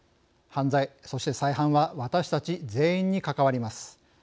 犯罪そして再犯は私たち全員に関わります。